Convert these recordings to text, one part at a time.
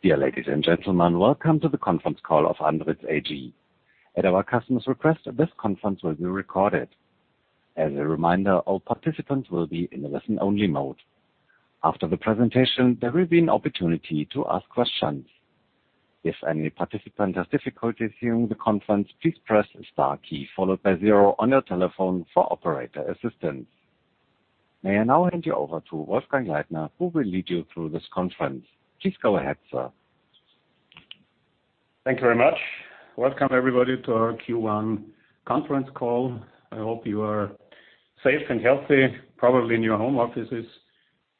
Dear ladies and gentlemen, welcome to the conference call of Andritz AG. At our customer's request, this conference will be recorded. As a reminder, all participants will be in a listen-only mode. After the presentation, there will be an opportunity to ask questions. If any participant has difficulties hearing the conference, please press the star key followed by zero on your telephone for operator assistance. May I now hand you over to Wolfgang Leitner, who will lead you through this conference. Please go ahead, sir. Thank you very much. Welcome everybody to our Q1 conference call. I hope you are safe and healthy, probably in your home offices,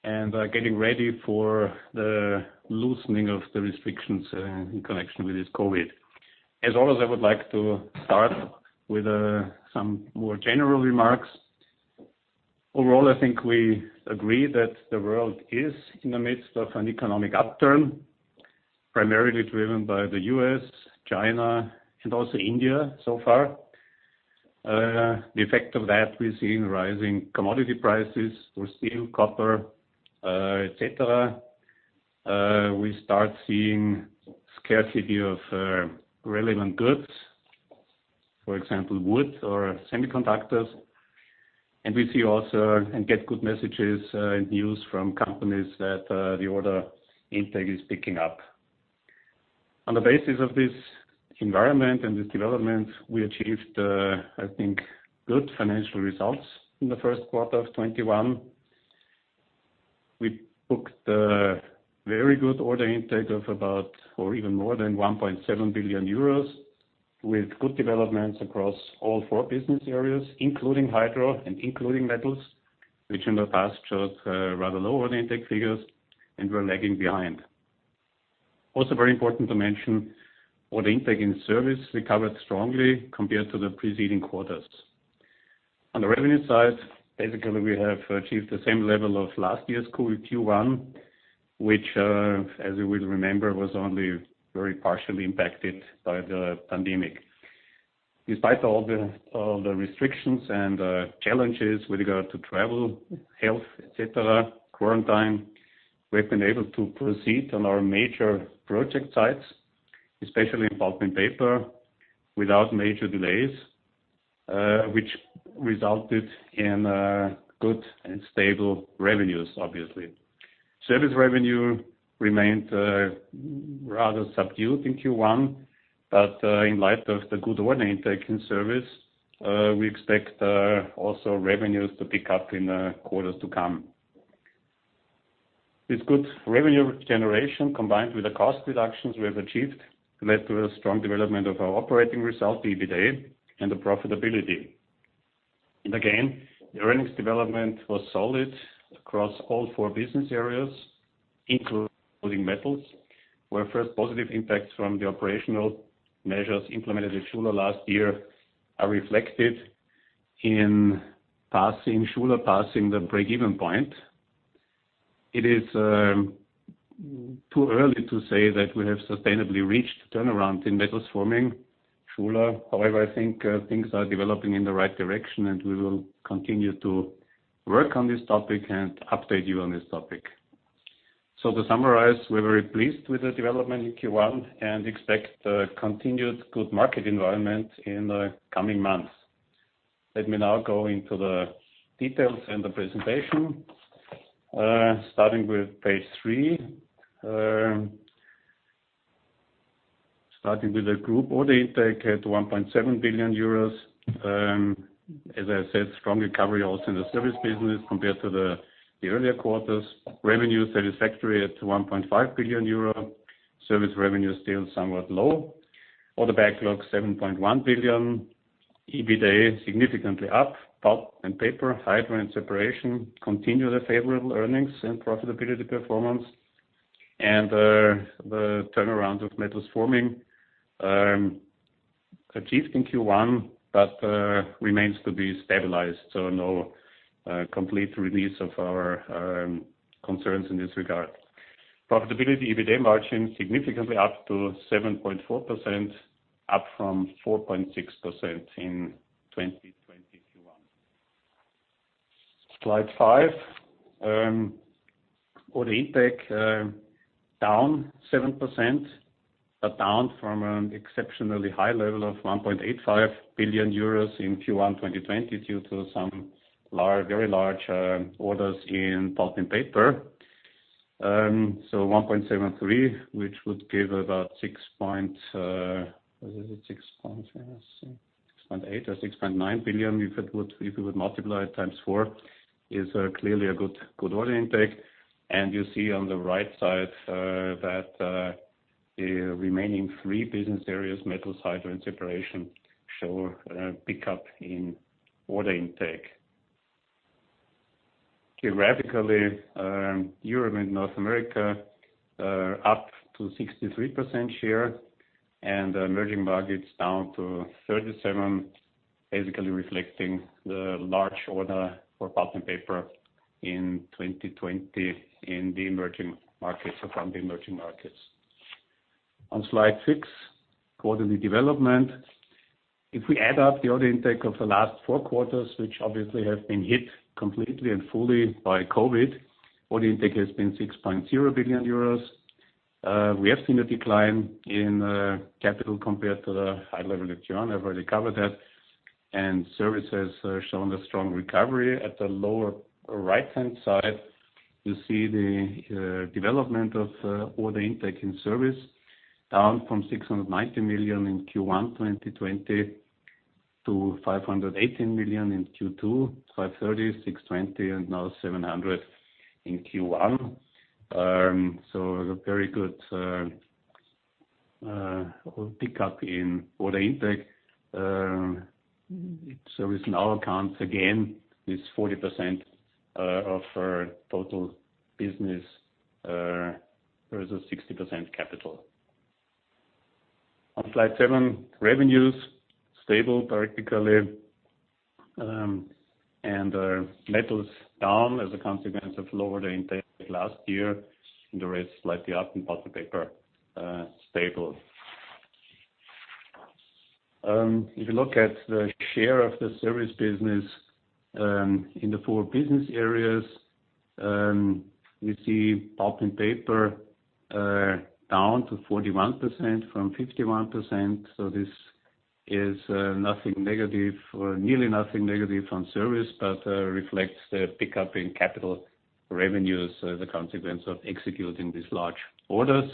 and are getting ready for the loosening of the restrictions in connection with this COVID. As always, I would like to start with some more general remarks. Overall, I think we agree that the world is in the midst of an economic upturn, primarily driven by the U.S., China, and also India so far. The effect of that, we're seeing rising commodity prices for steel, copper, et cetera. We start seeing scarcity of relevant goods. For example, wood or semiconductors. We see also, and get good messages and news from companies that the order intake is picking up. On the basis of this environment and this development, we achieved, I think, good financial results in the first quarter of 2021. We booked a very good order intake of about, or even more than 1.7 billion euros, with good developments across all four business areas, including Hydro and including Metals, which in the past showed rather low order intake figures and were lagging behind. Also very important to mention, order intake in service recovered strongly compared to the preceding quarters. On the revenue side, basically we have achieved the same level of last year's COVID Q1, which, as you will remember, was only very partially impacted by the pandemic. Despite all the restrictions and challenges with regard to travel, health, et cetera, quarantine, we've been able to proceed on our major project sites, especially in Pulp & Paper, without major delays, which resulted in good and stable revenues obviously. Service revenue remained rather subdued in Q1, but in light of the good order intake in service, we expect also revenues to pick up in the quarters to come. This good revenue generation, combined with the cost reductions we have achieved, led to a strong development of our operating result, the EBITDA, and the profitability. Again, the earnings development was solid across all four business areas, including Metals Forming, where first positive impacts from the operational measures implemented with Schuler last year are reflected in Schuler passing the break-even point. It is too early to say that we have sustainably reached turnaround in Metals Forming Schuler. However, I think things are developing in the right direction, and we will continue to work on this topic and update you on this topic. To summarize, we're very pleased with the development in Q1 and expect a continued good market environment in the coming months. Let me now go into the details and the presentation. Starting with page three. Starting with the group order intake at 1.7 billion euros. As I said, strong recovery also in the service business compared to the earlier quarters. Revenue satisfactory at 1.5 billion euro. Service revenue still somewhat low. Order backlog 7.1 billion. EBITDA significantly up. Pulp & Paper, Hydro and Separation continue their favorable earnings and profitability performance. The turnaround of Metals Forming achieved in Q1, but remains to be stabilized, no complete release of our concerns in this regard. Profitability, EBITDA margin significantly up to 7.4%, up from 4.6% in 2020 Q1. Slide five. Order intake down 7%, down from an exceptionally high level of 1.85 billion euros in Q1 2020 due to some very large orders in Pulp & Paper. 1.73, which would give about 6.8 billion or 6.9 billion, if we would multiply it times four, is clearly a good order intake. You see on the right side that the remaining three business areas, Metals, Hydro and Separation, show a pickup in order intake. Geographically, Europe and North America are up to 63% share and the emerging markets down to 37%, basically reflecting the large order for Pulp & Paper in 2020 from the emerging markets. On slide six, quarterly development. If we add up the order intake of the last four quarters, which obviously have been hit completely and fully by COVID, order intake has been 6.0 billion euros. We have seen a decline in capital compared to the high level of John, I've already covered that. Services showing a strong recovery. At the lower right-hand side, you see the development of order intake in service, down from 690 million in Q1 2020 to 518 million in Q2, 530 million, 620 million, and now 700 million in Q1. A very good pick up in order intake. Service now accounts again, is 40% of our total business. The rest is 60% capital. On slide seven, revenues stable particularly, and Metals down as a consequence of lower intake last year, and the rest slightly up in Pulp & Paper, stable. If you look at the share of the service business, in the four business areas, you see Pulp & Paper, down to 41% from 51%. This is nothing negative, or nearly nothing negative from service, but reflects the pickup in capital revenues as a consequence of executing these large orders.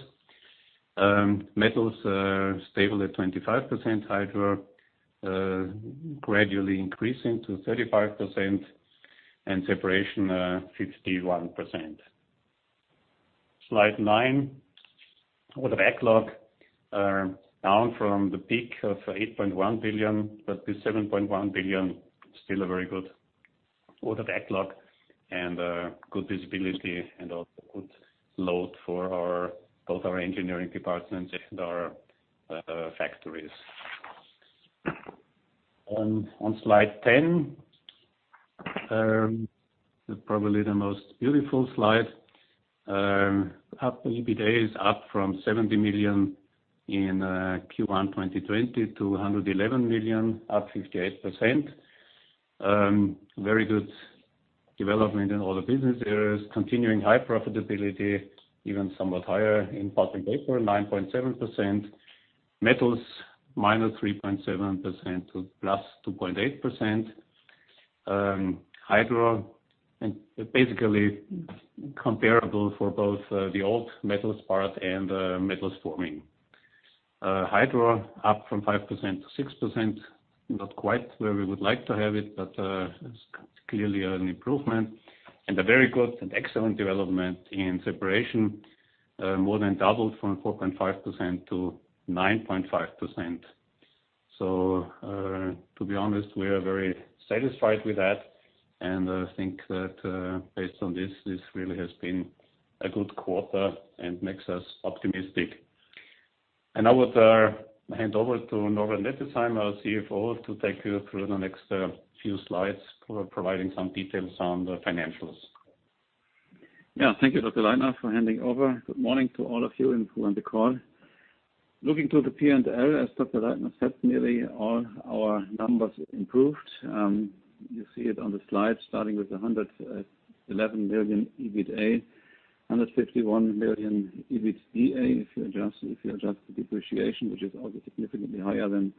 Metals are stable at 25%. Hydro gradually increasing to 35%, and Separation 51%. Slide nine. Order backlog, down from the peak of 8.1 billion, but the 7.1 billion still a very good order backlog and good visibility and also good load for both our engineering departments and our factories. On Slide 10, probably the most beautiful Slide, half the EBITA is up from 70 million in Q1 2020 to 111 million, up 58%. Very good development in all the business areas. Continuing high profitability, even somewhat higher in Pulp & Paper, 9.7%. Metals -3.7% to +2.8%. Hydro and basically comparable for both the old metals part and Metals Forming. Hydro up from 5%-6%, not quite where we would like to have it, but it's clearly an improvement. A very good and excellent development in Separation, more than doubled from 4.5%-9.5%. To be honest, we are very satisfied with that and think that based on this really has been a good quarter and makes us optimistic. I would hand over to Norbert Nettesheim, our CFO, to take you through the next few slides for providing some details on the financials. Yeah. Thank you, Dr. Leitner, for handing over. Good morning to all of you who are on the call. Looking to the P&L, as Dr. Leitner said, nearly all our numbers improved. You see it on the slide, starting with 111 million EBITDA, 151 million EBITDA, if you adjust the depreciation, which is also significantly higher than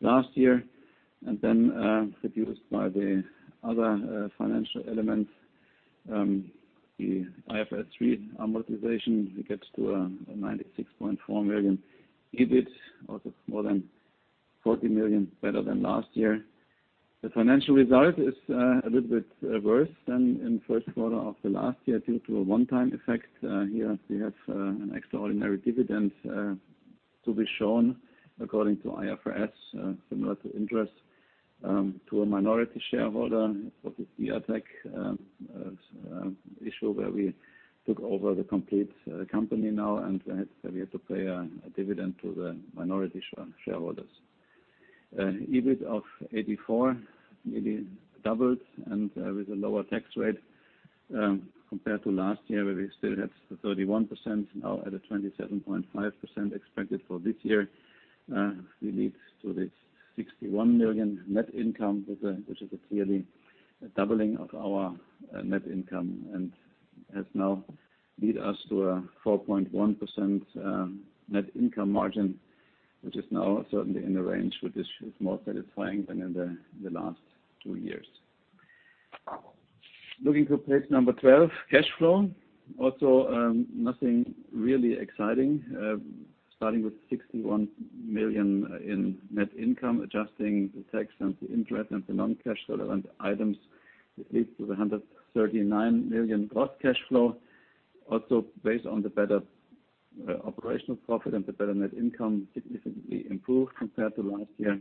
last year. Then reduced by the other financial elements, the IFRS 3 amortization, it gets to a 96.4 million EBIT, also more than 40 million better than last year. The financial result is a little bit worse than in the first quarter of last year due to a one-time effect. Here we have an extraordinary dividend to be shown according to IFRS, similar to interest, to a minority shareholder. It was a Diatec issue where we took over the complete company now and we had to pay a dividend to the minority shareholders. EBIT of 84, nearly doubled and with a lower tax rate compared to last year, where we still had 31%, now at a 27.5% expected for this year, leads to this 61 million net income, which is clearly a doubling of our net income and has now lead us to a 4.1% net income margin, which is now certainly in the range, which is more satisfying than in the last two years. Looking to page number 12, cash flow. Nothing really exciting. Starting with 61 million in net income, adjusting the tax and the interest and the non-cash relevant items, it leads to 139 million gross cash flow. Based on the better operational profit and the better net income, significantly improved compared to last year.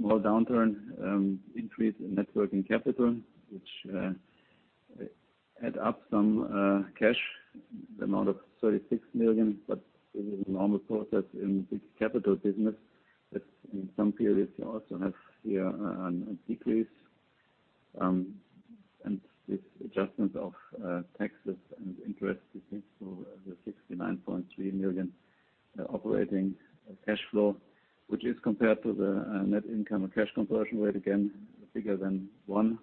More downturn, increase in net working capital, which add up some cash, the amount of 36 million, but this is a normal process in big capital business that in some periods you also have here a decrease. This adjustment of taxes and interest leads to the 69.3 million operating cash flow, which is compared to the net income and cash conversion rate, again, bigger than one,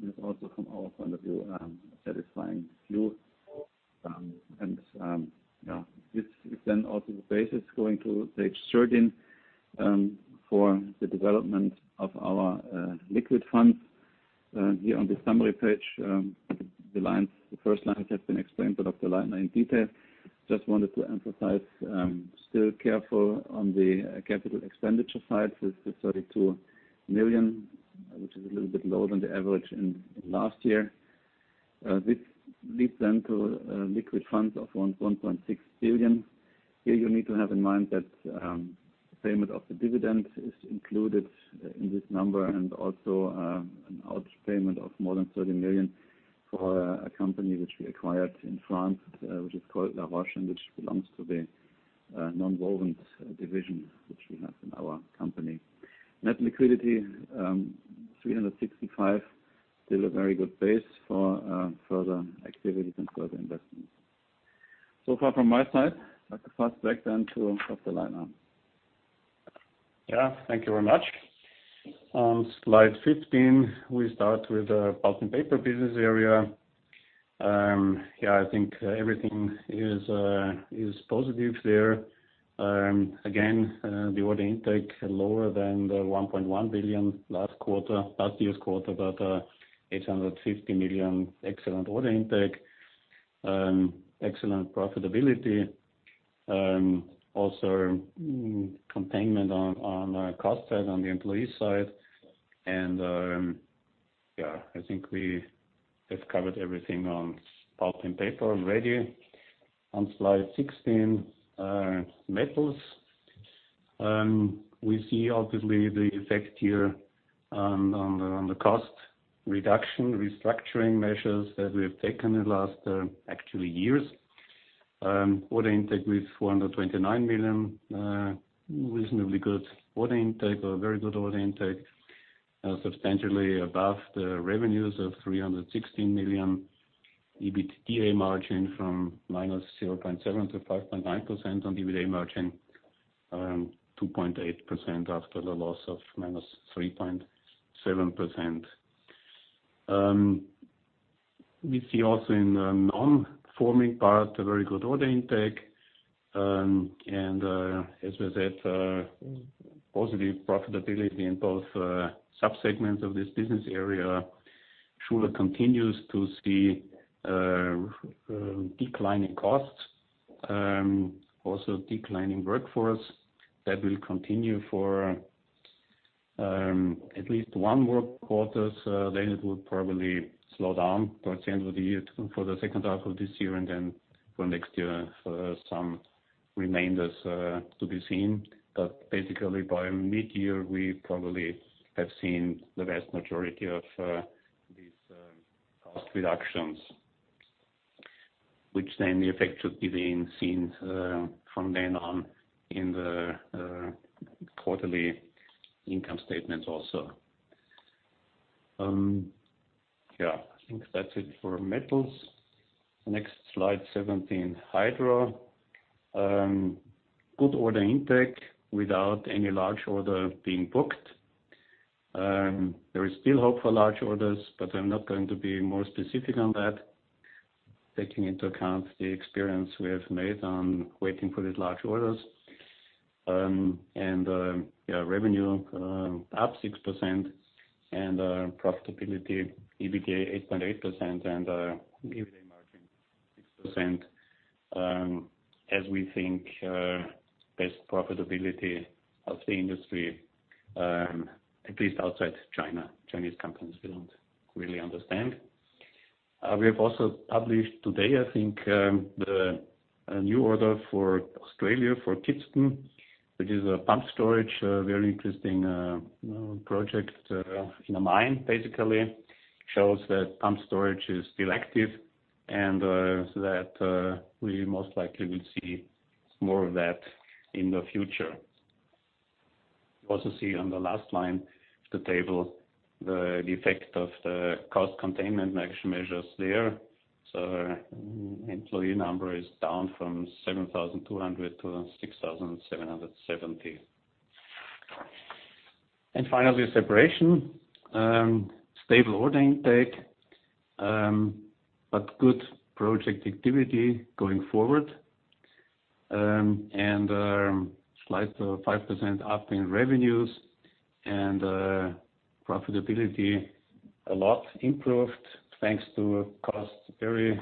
and is also from our point of view, a satisfying view. This is then also the basis going to Page 13, for the development of our liquid funds. Here on the summary page, the first line has been explained by Dr. Leitner in detail. Just wanted to emphasize, still careful on the capital expenditure side with the 32 million, which is a little bit lower than the average in last year. This leads then to liquid funds of 1.6 billion. Here you need to have in mind that payment of the dividend is included in this number and also an out payment of more than 30 million for a company which we acquired in France, which is called Laroche, and which belongs to the nonwovens division, which we have in our company. Net liquidity, 365 million, still a very good base for further activities and further investments. So far from my side. I'd like to pass back then to Dr. Leitner. Yeah. Thank you very much. On Slide 15, we start with the Pulp & Paper business area. I think everything is positive there. Again, the order intake lower than 1.1 billion last year's quarter, but 850 million excellent order intake. Excellent profitability. Also, containment on our cost side, on the employee side. I think we have covered everything on Pulp & Paper already. On Slide 16, Metals. We see obviously the effect here on the cost reduction, restructuring measures that we have taken in the last actually years. Order intake with 429 million. Reasonably good order intake or very good order intake. Substantially above the revenues of 316 million. EBITDA margin from -0.7% to 5.9% on EBITA margin, 2.8% after the loss of -3.7%. We see also in the non-forming part a very good order intake, and as I said, positive profitability in both subsegments of this business area. Schuler continues to see declining costs, also declining workforce that will continue for at least one more quarter. It will probably slow down towards the end of the year for the second half of this year and then for next year, some remainders to be seen. Basically, by mid-year, we probably have seen the vast majority of these cost reductions, which then the effect should be being seen from then on in the quarterly income statements also. Yeah, I think that's it for metals. Next Slide, 17, Hydro. Good order intake without any large order being booked. There is still hope for large orders. I'm not going to be more specific on that, taking into account the experience we have made on waiting for these large orders. Revenue up 6% and profitability, EBITDA 8.8% and EBITA margin 6%. As we think, best profitability of the industry, at least outside China. Chinese companies we don't really understand. We have also published today, I think, the new order for Australia for Kidston, which is a pumped storage, a very interesting project in a mine basically. Shows that pumped storage is still active and that we most likely will see more of that in the future. You also see on the last line of the table the effect of the cost containment action measures there. Employee number is down from 7,200-6,770. Finally, Separation. Stable order intake, good project activity going forward. Slight 5% up in revenues and profitability a lot improved thanks to very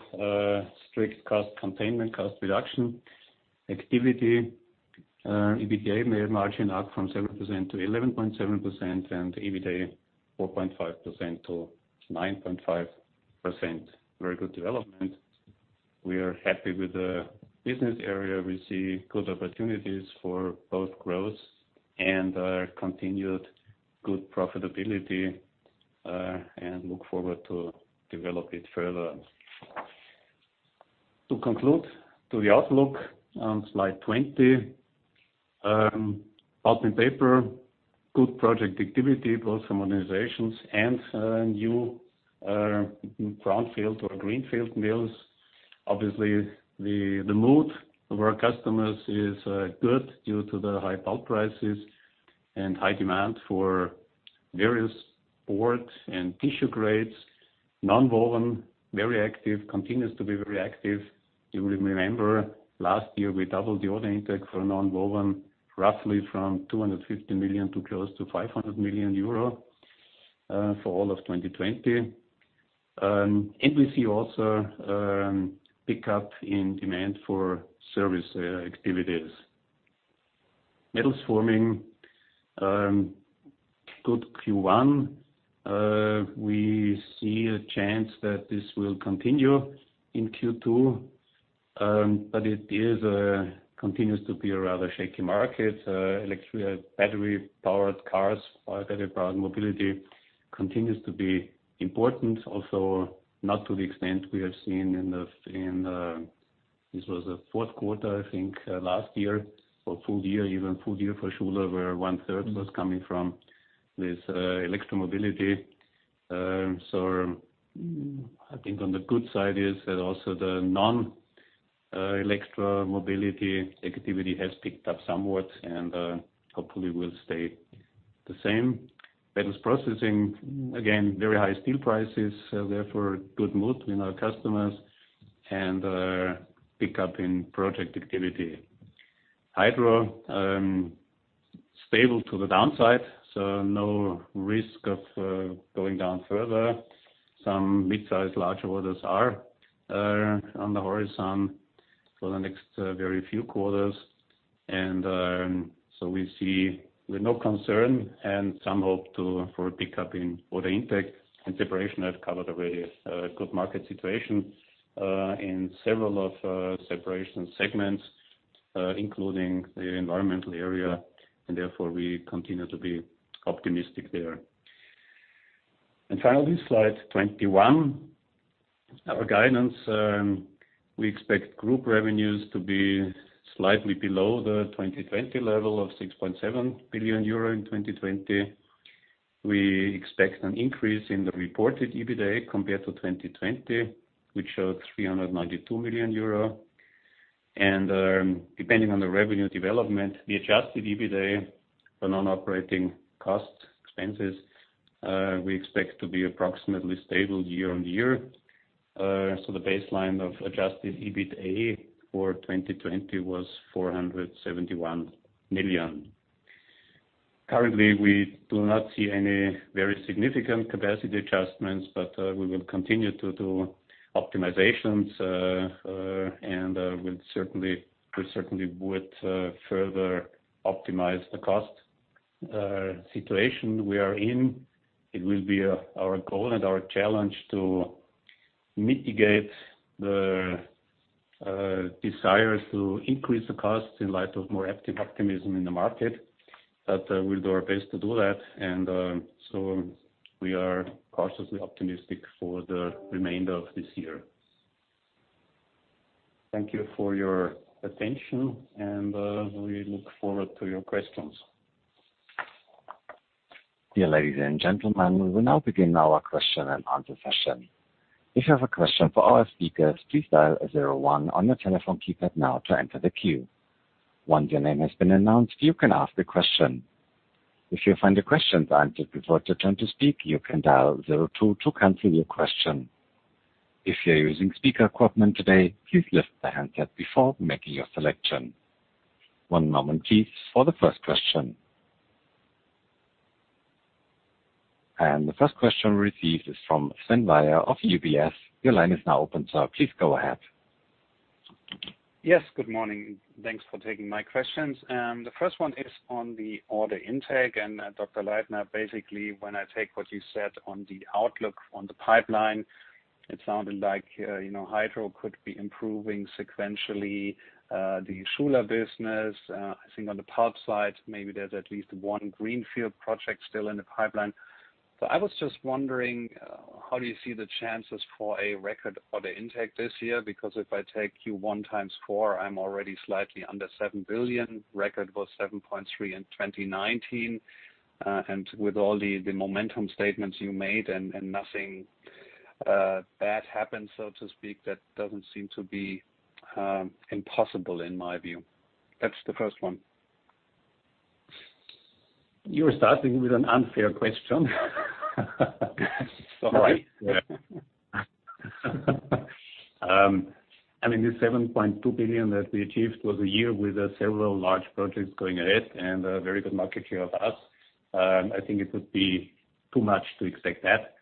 strict cost containment, cost reduction activity. EBITDA margin up from 7%-11.7% and EBITA 4.5%-9.5%. Very good development. We are happy with the business area. We see good opportunities for both growth and continued good profitability, and look forward to develop it further. To conclude to the outlook on Slide 20. Pulp & Paper, good project activity, both modernizations and new brownfield or greenfield mills. Obviously, the mood of our customers is good due to the high pulp prices and high demand for various board and tissue grades. Nonwoven, very active, continues to be very active. You will remember last year we doubled the order intake for Nonwoven, roughly from 250 million to close to 500 million euro for all of 2020. We see also pick up in demand for service activities. Metals Forming. Good Q1. We see a chance that this will continue in Q2. It continues to be a rather shaky market. Battery-powered cars or battery-powered mobility continues to be important. Also, not to the extent we have seen in, this was the fourth quarter, I think, last year or full year, even full year for Schuler, where one third was coming from this electromobility. I think on the good side is that also the non-electromobility activity has picked up somewhat and hopefully will stay the same. metals processing, again, very high steel prices, therefore good mood in our customers and pick up in project activity. Hydro, stable to the downside, no risk of going down further. Some mid-size large orders are on the horizon for the next very few quarters. We see with no concern and some hope for a pick-up in order intake. Separation I've covered already. Good market situation in several of Separation segments, including the environmental area, and therefore we continue to be optimistic there. Finally, Slide 21. Our guidance. We expect group revenues to be slightly below the 2020 level of 6.7 billion euro in 2020. We expect an increase in the reported EBITDA compared to 2020, which showed 392 million euro. Depending on the revenue development, the adjusted EBITDA for non-operating costs expenses, we expect to be approximately stable year-over-year. The baseline of adjusted EBITDA for 2020 was 471 million. Currently, we do not see any very significant capacity adjustments, but we will continue to do optimizations, and we certainly would further optimize the cost situation we are in. It will be our goal and our challenge to mitigate the desire to increase the costs in light of more optimism in the market. We'll do our best to do that. We are cautiously optimistic for the remainder of this year. Thank you for your attention, and we look forward to your questions. Dear ladies and gentlemen, we will now begin our question and answer session. If you have a question for our speakers, please dial zero one on your telephone keypad now to enter the queue. Once your name has been announced, you can ask the question. If you find your question answered before it's your turn to speak, you can dial zero two to cancel your question. If you're using speaker equipment today, please lift the handset before making your selection. One moment please for the first question. The first question received is from Sven Weier of UBS. Your line is now open, sir. Please go ahead. Yes, good morning. Thanks for taking my questions. The first one is on the order intake. Dr. Leitner, basically, when I take what you said on the outlook on the pipeline, it sounded like Hydro could be improving sequentially. The Schuler business, I think on the pulp side, maybe there's at least one greenfield project still in the pipeline. I was just wondering, how do you see the chances for a record order intake this year? If I take Q1 times four, I'm already slightly under 7 billion. Record was 7.3 billion in 2019. With all the momentum statements you made and nothing bad happened, so to speak, that doesn't seem to be impossible in my view. That's the first one. You're starting with an unfair question. Sorry. I mean, this 7.2 billion that we achieved was a year with several large projects going ahead and a very good market share of us. I think it would be too much to expect that.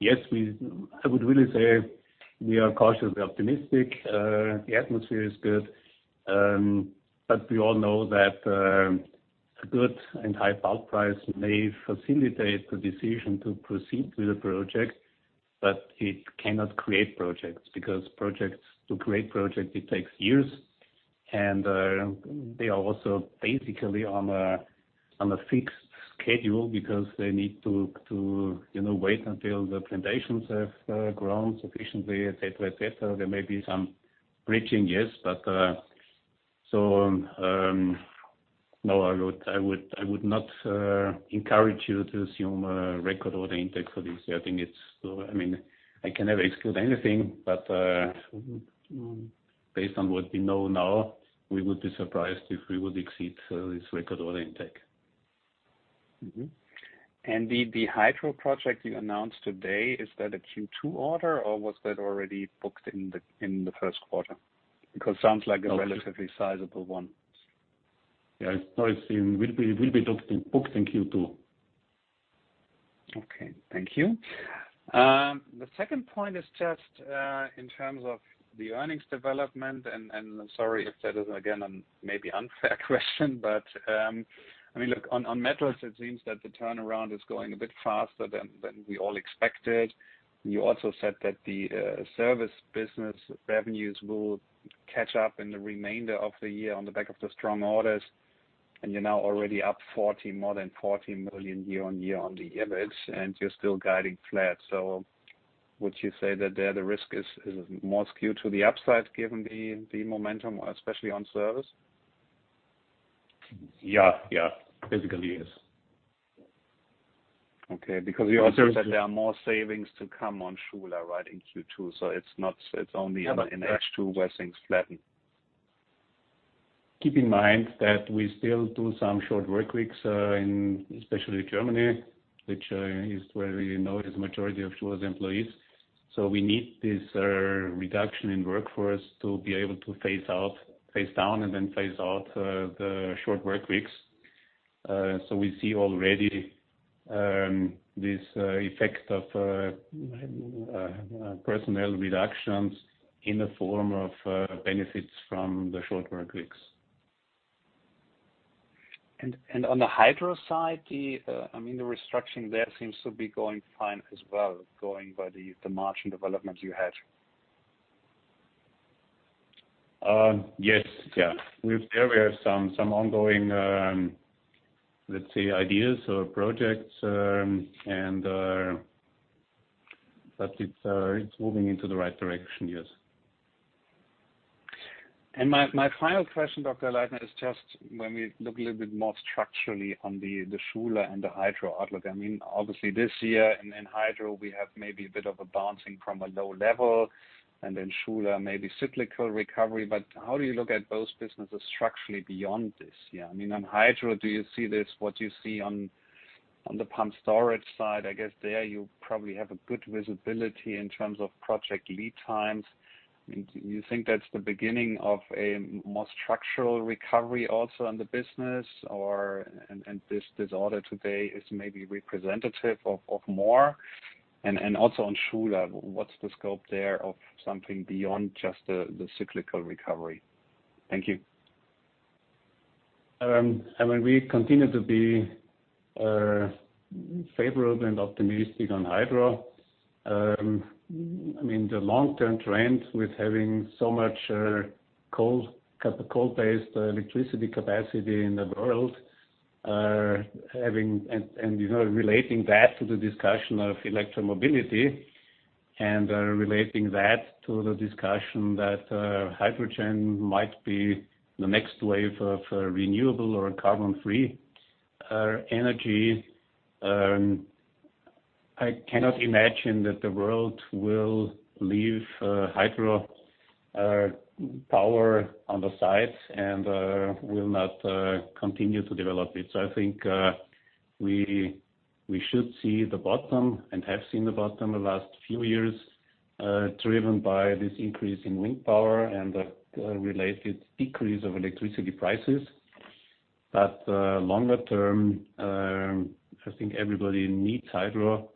Yes, I would really say we are cautiously optimistic. The atmosphere is good. We all know that a good and high pulp price may facilitate the decision to proceed with the project, but it cannot create projects, because to create projects, it takes years. They are also basically on a fixed schedule because they need to wait until the plantations have grown sufficiently, et cetera. There may be some bridging, yes. No, I would not encourage you to assume a record order intake for this year. I mean, I can never exclude anything, but based on what we know now, we would be surprised if we would exceed this record order intake. The Hydro project you announced today, is that a Q2 order, or was that already booked in the first quarter? Because it sounds like a relatively sizable one. Yes. No, it will be booked in Q2. Okay. Thank you. The second point is just in terms of the earnings development, and I'm sorry if that is, again, maybe an unfair question, but look, on Metals, it seems that the turnaround is going a bit faster than we all expected. You also said that the service business revenues will catch up in the remainder of the year on the back of the strong orders, and you're now already up more than 14 million year-on-year on the EBIT, and you're still guiding flat. Would you say that there the risk is more skewed to the upside, given the momentum, especially on service? Yeah. Basically, yes. Okay. You also said there are more savings to come on Schuler, right, in Q2, so it's only in H2 where things flatten. Keep in mind that we still do some short work weeks, especially in Germany, which is where we know is the majority of Schuler's employees. We need this reduction in workforce to be able to phase down and then phase out the short work weeks. We see already this effect of personnel reductions in the form of benefits from the short work weeks. On the Hydro side, the restructuring there seems to be going fine as well, going by the margin development you had. Yes. There we have some ongoing, let's say, ideas or projects, but it's moving into the right direction, yes. My final question, Dr. Leitner, is just when we look a little bit more structurally on the Schuler and the Hydro outlook. Obviously, this year in Hydro, we have maybe a bit of a bouncing from a low level, and then Schuler may be cyclical recovery, but how do you look at both businesses structurally beyond this year? On Hydro, do you see this, what you see on the pumped storage side? I guess there you probably have a good visibility in terms of project lead times. Do you think that's the beginning of a more structural recovery also in the business, and this order today is maybe representative of more? Also on Schuler, what's the scope there of something beyond just the cyclical recovery? Thank you. I mean, we continue to be favorable and optimistic on Hydro. The long-term trend with having so much coal-based electricity capacity in the world, and relating that to the discussion of electromobility and relating that to the discussion that hydrogen might be the next wave of renewable or carbon-free energy. I cannot imagine that the world will leave hydropower on the side and will not continue to develop it. I think we should see the bottom and have seen the bottom the last few years, driven by this increase in wind power and the related decrease of electricity prices. Longer term, I think everybody needs hydro,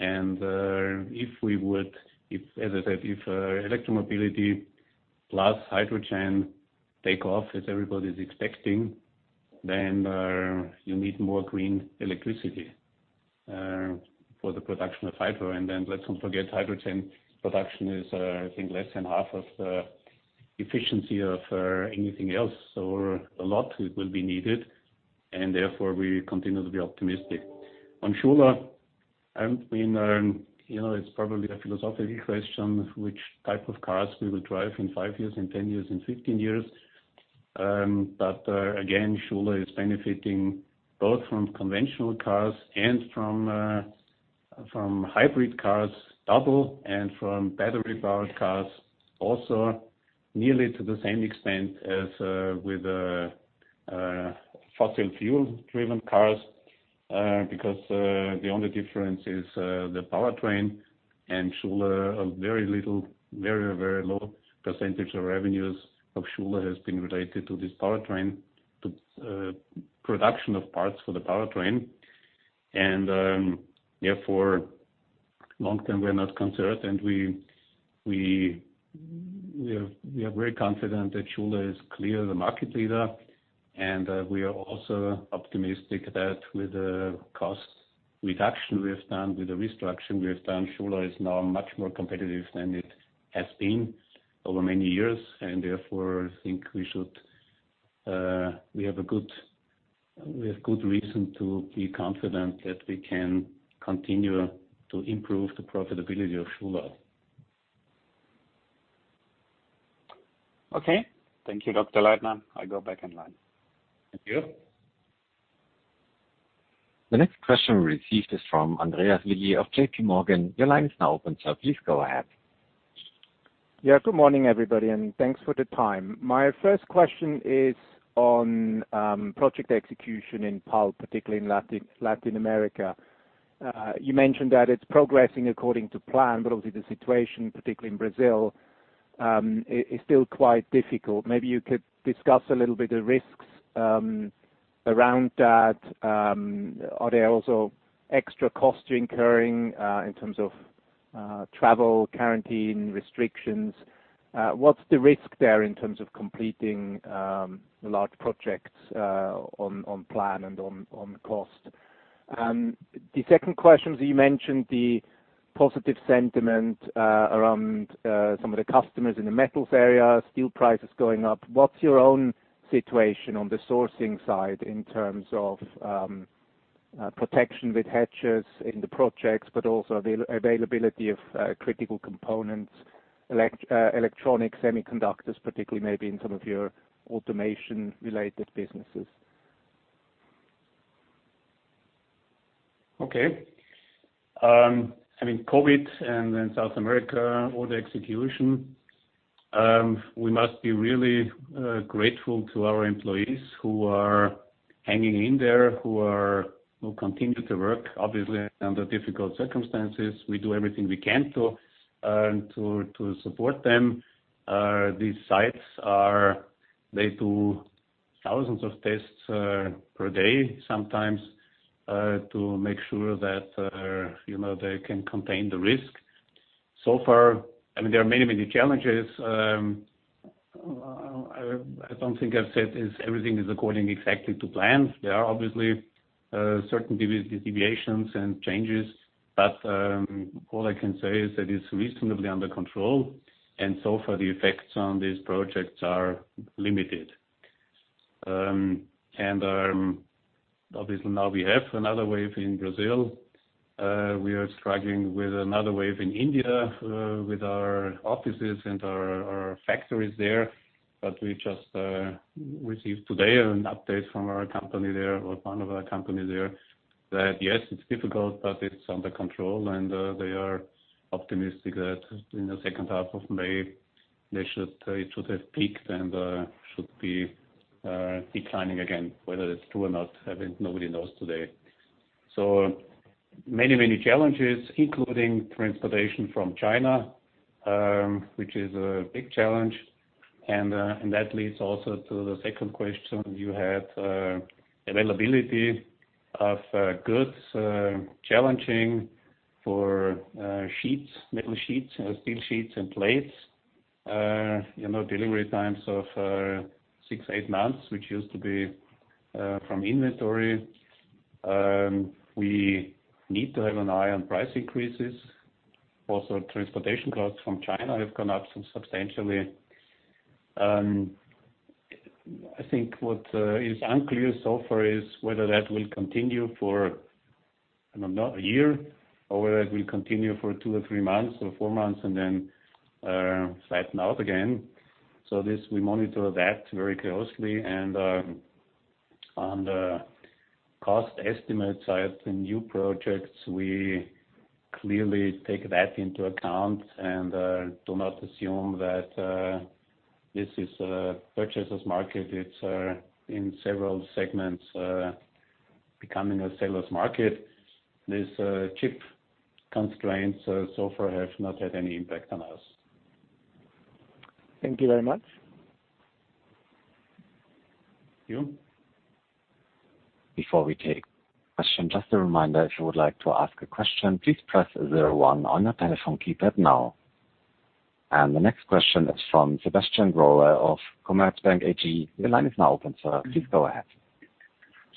and if we would, as I said, if electromobility plus hydrogen take off as everybody's expecting, then you need more green electricity for the production of hydro. Let's not forget, hydrogen production is, I think, less than half of the efficiency of anything else, so a lot will be needed, and therefore, we continue to be optimistic. On Schuler, it's probably a philosophical question which type of cars we will drive in five years, in 10 years, in 15 years. Again, Schuler is benefiting both from conventional cars and from hybrid cars double, and from battery-powered cars also nearly to the same extent as with fossil fuel-driven cars, because the only difference is the powertrain, and Schuler, a very low percentage of revenues of Schuler has been related to this powertrain, to production of parts for the powertrain. Long term, we are not concerned, and we are very confident that Schuler is clearly the market leader. We are also optimistic that with the cost reduction we have done, with the restructure we have done, Schuler is now much more competitive than it has been over many years. I think we have good reason to be confident that we can continue to improve the profitability of Schuler. Okay. Thank you, Dr. Leitner. I go back in line. Thank you. The next question received is from Andreas Willi with JPMorgan.Your line is now open, sir. Please go ahead. Good morning, everybody, and thanks for the time. My first question is on project execution in Pulp, particularly in Latin America. You mentioned that it's progressing according to plan, but obviously the situation, particularly in Brazil, is still quite difficult. Maybe you could discuss a little bit the risks around that. Are there also extra costs you're incurring in terms of travel quarantine restrictions? What's the risk there in terms of completing large projects on plan and on cost? The second question is, you mentioned the positive sentiment around some of the customers in the Metals area, steel prices going up. What's your own situation on the sourcing side in terms of protection with hedges in the projects, but also availability of critical components, electronic semiconductors particularly, maybe in some of your automation-related businesses? Okay. COVID and then South America, order execution. We must be really grateful to our employees who are hanging in there, who continue to work, obviously under difficult circumstances. We do everything we can to support them. These sites do thousands of tests per day, sometimes, to make sure that they can contain the risk. So far, there are many challenges. I don't think I've said is everything is according exactly to plan. There are obviously certain deviations and changes, but all I can say is that it's reasonably under control, and so far the effects on these projects are limited. Obviously now we have another wave in Brazil. We are struggling with another wave in India with our offices and our factories there. We just received today an update from our company there, or one of our companies there, that yes, it's difficult, but it's under control and they are optimistic that in the second half of May it should have peaked and should be declining again. Whether it's true or not, nobody knows today. Many challenges, including transportation from China, which is a big challenge. That leads also to the second question you had. Availability of goods, challenging for metal sheets, steel sheets and plates. Delivery times of six to eight months, which used to be from inventory. We need to have an eye on price increases. Also, transportation costs from China have gone up substantially. I think what is unclear so far is whether that will continue for a year, or whether it will continue for two or three months or four months and then flatten out again. We monitor that very closely. On the cost estimate side, the new projects, we clearly take that into account and do not assume that this is a purchaser's market. It's, in several segments, becoming a seller's market. These chip constraints so far have not had any impact on us. Thank you very much. Thank you. Before we take the next question, just a reminder, if you would like to ask a question, please press zero one on your telephone keypad now. The next question is from Sebastian Rüll of Commerzbank AG. Your line is now open, sir. Please go ahead.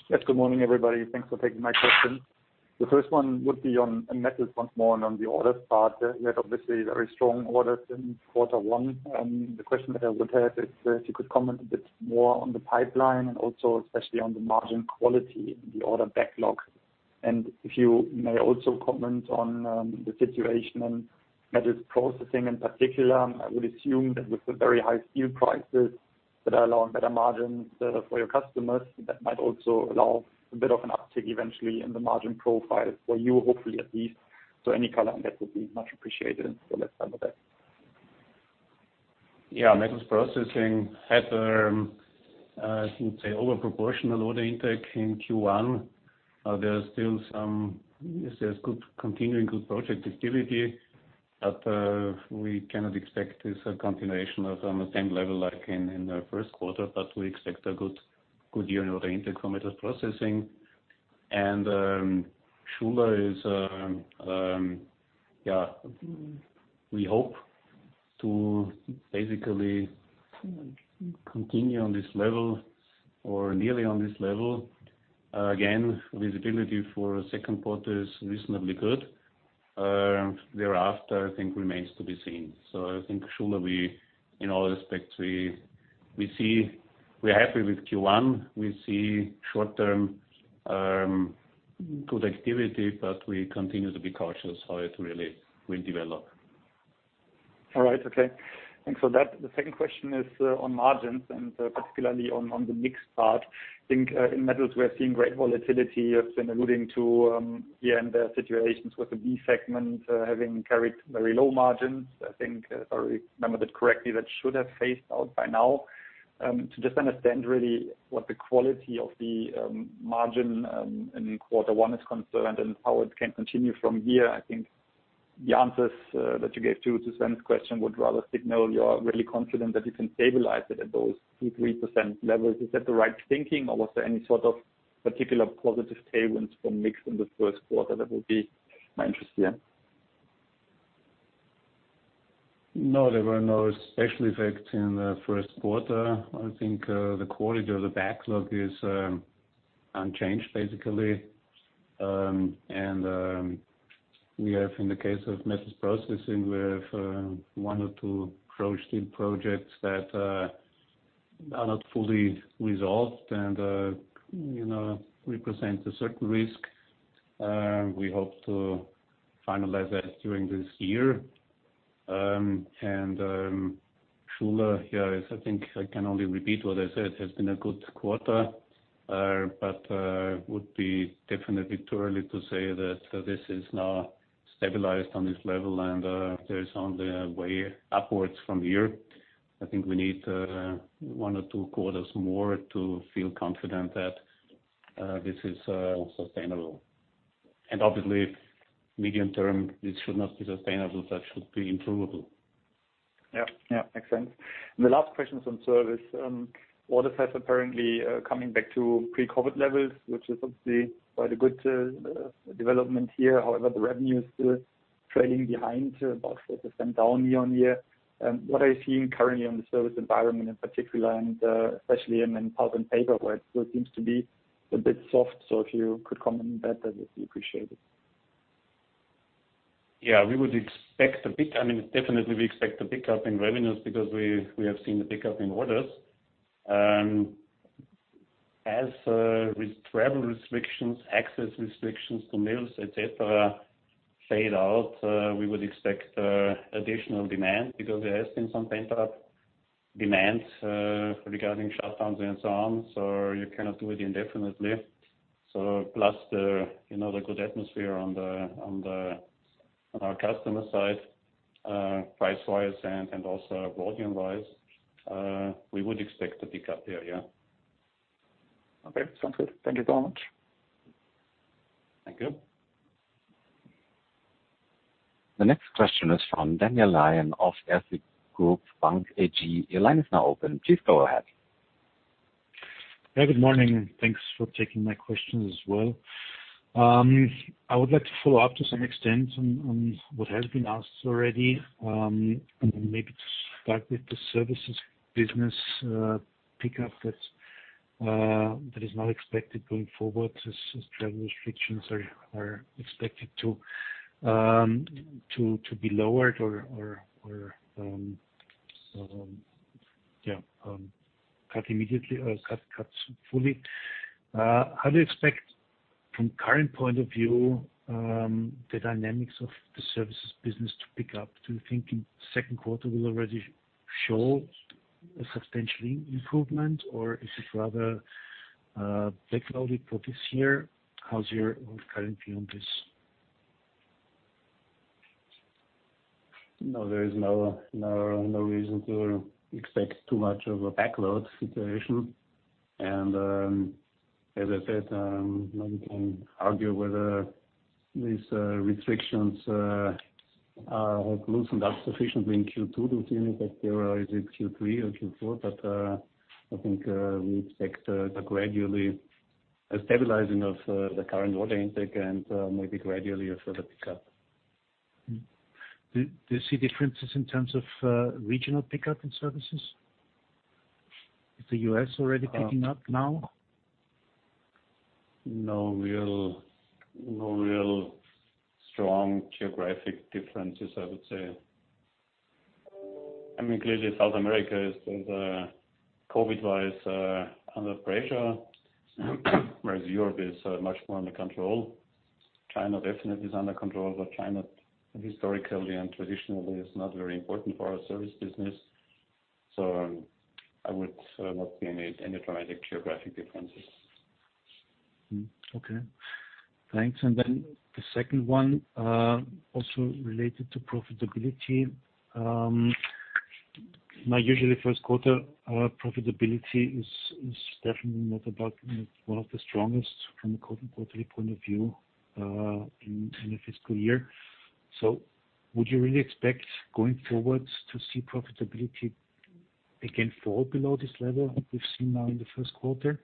Yes. Good morning, everybody. Thanks for taking my question. The first one would be on Metals once more and on the orders part. You had obviously very strong orders in quarter one. The question that I would have is if you could comment a bit more on the pipeline and also especially on the margin quality in the order backlog. If you may also comment on the situation on metals processing in particular. I would assume that with the very high steel prices that allow better margins for your customers, that might also allow a bit of an uptick eventually in the margin profile for you, hopefully at least. Any color on that would be much appreciated for the next time with that. Yeah. Metals Forming had, I would say, over-proportional order intake in Q1. There's still some continuing good project activity, but we cannot expect this continuation on the same level like in the first quarter, but we expect a good year on order intake for Metals Forming. Schuler is, we hope to basically continue on this level or nearly on this level. Again, visibility for second quarter is reasonably good. Thereafter, I think remains to be seen. I think, Schuler, in all respects, we're happy with Q1. We see short-term good activity, but we continue to be cautious how it really will develop. All right, okay. Thanks for that. The second question is on margins and particularly on the mixed part. I think in Metals we are seeing great volatility. You have been alluding to the situations with the B segment having carried very low margins. I think, if I remember that correctly, that should have phased out by now. To just understand really what the quality of the margin in Q1 is concerned and how it can continue from here. I think the answers that you gave to Sven's question would rather signal you are really confident that you can stabilize it at those 2%, 3% levels. Is that the right thinking or was there any sort of particular positive tailwinds from mix in the first quarter? That would be my interest here. No, there were no special effects in the first quarter. The quality of the backlog is unchanged. We have, in the case of Metals Forming, we have one or two turnkey projects that are not fully resolved and represent a certain risk. We hope to finalize that during this year. Schuler has been a good quarter. Would be definitely too early to say that this is now stabilized on this level and there is only a way upwards from here. We need one or two quarters more to feel confident that this is sustainable. Obviously, medium term, this should not be sustainable. That should be improvable. Yeah. Makes sense. The last question is on service. Orders have apparently coming back to pre-COVID levels, which is obviously quite a good development here. However, the revenue is still trailing behind about 4% down year-on-year. What are you seeing currently on the service environment in particular, and especially in Pulp & Paper, where it still seems to be a bit soft? If you could comment on that would be appreciated. Yeah, definitely we expect a pickup in revenues because we have seen the pickup in orders. As with travel restrictions, access restrictions to mills, et cetera, fade out, we would expect additional demand because there has been some pent-up demands regarding shutdowns and so on. You cannot do it indefinitely. Plus the good atmosphere on our customer side, price-wise and also volume-wise, we would expect to pick up there, yeah. Okay. Sounds good. Thank you so much. Thank you. The next question is from Daniel Lion of Erste Group Bank AG. Your line is now open. Please go ahead. Yeah, good morning. Thanks for taking my questions as well. I would like to follow up to some extent on what has been asked already, and maybe to start with the services business pickup that is not expected going forward as travel restrictions are expected to be lowered or, yeah, cut immediately or cut fully. How do you expect from current point of view, the dynamics of the services business to pick up? Do you think in second quarter will already show a substantial improvement or is it rather a backlog we book this year? How's your current view on this? No. There is no reason to expect too much of a backlog situation. As I said, one can argue whether these restrictions are loosened up sufficiently in Q2 this year, or is it Q3 or Q4. I think we expect a stabilizing of the current order intake and maybe gradually a further pickup. Do you see differences in terms of regional pickup in services? Is the U.S. already picking up now? No real strong geographic differences, I would say. Clearly South America is, COVID-wise, under pressure, whereas Europe is much more under control. China definitely is under control. China historically and traditionally is not very important for our service business. I would not see any dramatic geographic differences. Okay. Thanks. The second one, also related to profitability. Now usually first quarter profitability is definitely not about one of the strongest from a quarterly point of view in a fiscal year. Would you really expect going forward to see profitability again fall below this level we've seen now in the first quarter?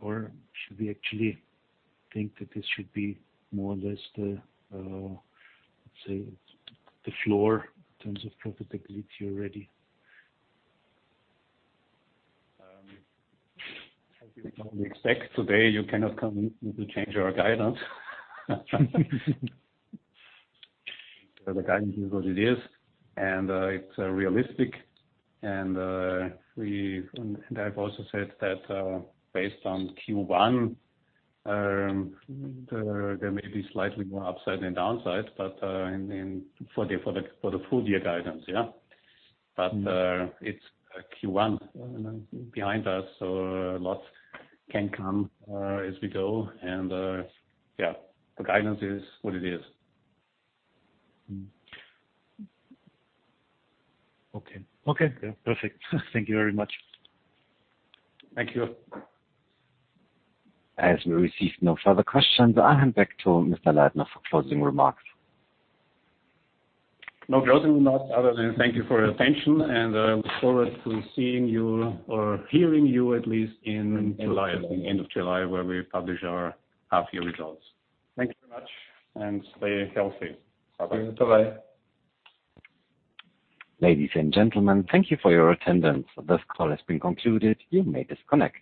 Should we actually think that this should be more or less the, let's say, the floor in terms of profitability already? As we normally expect, today you cannot come in to change our guidance. The guidance is what it is. It's realistic. I've also said that based on Q1, there may be slightly more upside than downside for the full year guidance, yeah. It's Q1 behind us, so a lot can come as we go. Yeah, the guidance is what it is. Okay. Perfect. Thank you very much. Thank you. As we receive no further questions, I hand back to Mr. Leitner for closing remarks. No closing remarks other than thank you for your attention, and I look forward to seeing you or hearing you at least in July, at the end of July, where we publish our half-year results. Thank you very much, and stay healthy. Bye-bye. Bye-bye. Ladies and gentlemen, thank you for your attendance. This call has been concluded. You may disconnect.